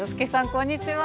こんにちは！